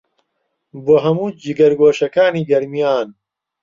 بۆ هەموو جگەرگۆشەکانی گەرمیان